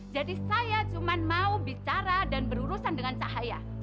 jadi saya cuma mau bicara dan berurusan dengan cahaya